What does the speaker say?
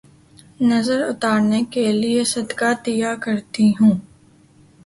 نظر اتارنے کیلئے صدقہ دیا کرتی ہوں